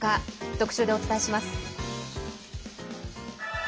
特集でお伝えします。